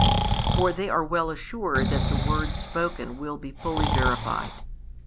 For they are well assured that the words spoken will be fully verified.